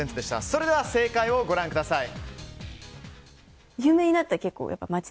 それでは正解をご覧ください。